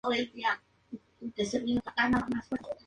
Los candidatos deben amar al país China y a Hong Kong.